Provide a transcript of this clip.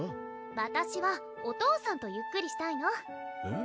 わたしはお父さんとゆっくりしたいのえっ？